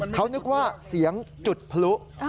เขานึกว่าเสียงจุดพลุ